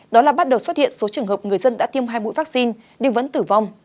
đó là bắt đầu xuất hiện số trường hợp người dân đã tiêm hai mũi vaccine nhưng vẫn tử vong